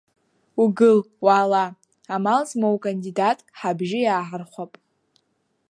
Угыл, уаала, амал змоу кандидатк ҳабжьы иааҳархәап.